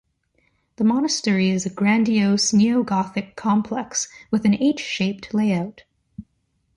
The monastery is a grandiose neo-Gothic complex with an “H” shaped layout.